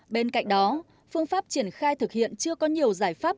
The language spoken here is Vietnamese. bên cạnh đó phương pháp triển khai thực hiện chưa có nhiều giải pháp